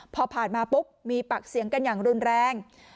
พอผ่านมาปุ๊บมีปากเสียงกันอย่างรุนแรง